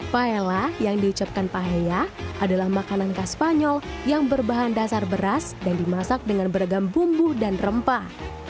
paela yang diucapkan paheya adalah makanan khas spanyol yang berbahan dasar beras dan dimasak dengan beragam bumbu dan rempah